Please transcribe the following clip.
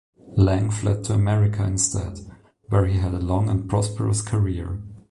Lang fled to America instead, where he had a long and prosperous career.